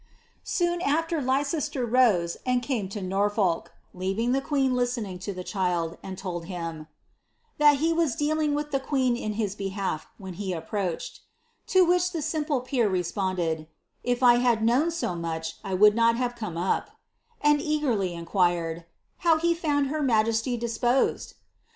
Soon after Leicester rose, and came to Norfolk, leaving the queen liftming to the child, and told him, ^ that he was dealing with the queen in his behalf when he approached;" to which the simple peer responded, ^ If I had known so much, I would not have come up;" and eagerly inquired, ^ how he found her majesty disposed